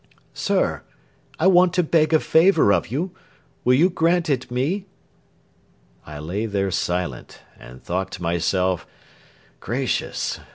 "Sir! I want to beg a favour of you. Will you grant it me?" I lay there silent, and thought to myself: "Gracious!...